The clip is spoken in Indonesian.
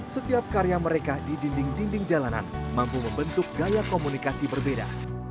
setiap karya mereka di dinding dinding jalanan mampu membentuk gaya komunikasi berbeda